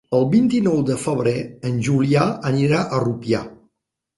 El vint-i-nou de febrer en Julià anirà a Rupià.